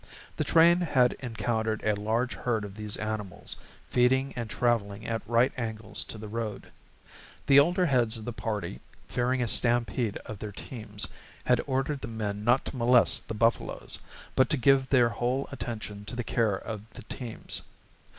The train had encountered a large herd of these animals, feeding and traveling at right angles to the road. The older heads of the party, fearing a stampede of their teams, had ordered the men not to molest the buffaloes, but to give their whole attention to the care of the teams.